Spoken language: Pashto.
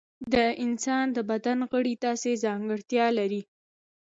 د انسان د بدن غړي داسې ځانګړتیا لري.